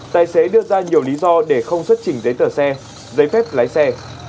tài xế đưa ra nhiều lý do để không xuất trình giấy tờ xe giấy phép lái xe